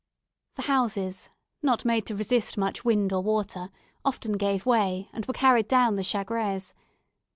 The houses, not made to resist much wind or water, often gave way, and were carried down the Chagres.